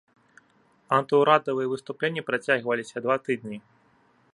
Антыўрадавыя выступленні працягваліся два тыдні.